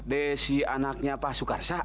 desi anaknya pak sukarsa